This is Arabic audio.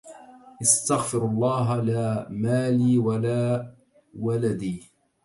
أستغفر الله لا مالي ولا ولدي